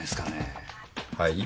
はい？